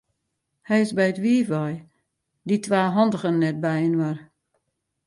Hy is by it wiif wei, dy twa handigen net byinoar.